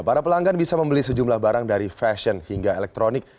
para pelanggan bisa membeli sejumlah barang dari fashion hingga elektronik